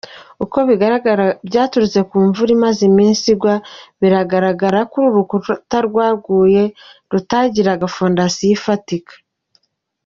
Uko bigaragara byaturutse kumvura imaze iminsi igwa, biranagaragara ko ururukuta rwaguye rutagiraga foundation ifatika.